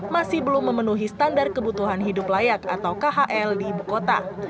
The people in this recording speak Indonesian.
masih belum memenuhi standar kebutuhan hidup layak atau khl di ibu kota